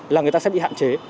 là người ta sẽ bị hạn chế